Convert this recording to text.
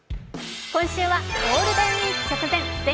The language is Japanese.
今週は「ゴールデンウイーク直前！